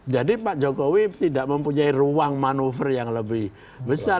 jadi pak jokowi tidak mempunyai ruang manuver yang lebih besar